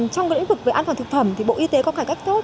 trong lĩnh vực về an toàn thực phẩm thì bộ y tế có cải cách tốt